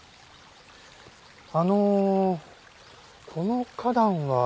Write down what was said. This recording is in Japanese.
あのこの花壇は？